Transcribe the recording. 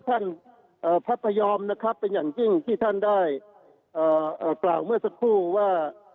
ท่านพระพยอมนะครับเป็นอย่างยิ่งที่ท่านได้กล่าวเมื่อสักครู่ว่า